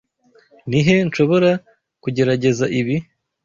Ni he nshobora kugerageza ibi?